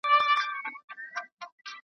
سم له واکه تللی د ازل او د اسمان یمه .